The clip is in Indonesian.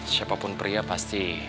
siapapun pria pasti